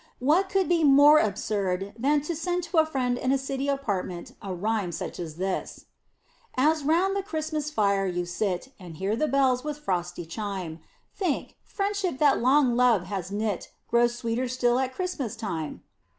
What could be more absurd than to send to a friend in a city apartment a rhyme such as this: As round the Christmas fire you sit And hear the bells with frosty chime, Think, friendship that long love has knit Grows sweeter still at Christmas time!